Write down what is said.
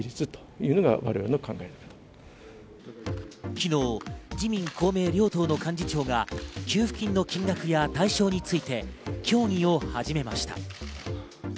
昨日、自民・公明両党の幹事長が給付金の金額や対象について協議を始めました。